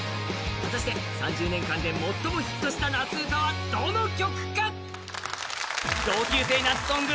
果たして３０年間で最もヒットした夏うたはどの曲か？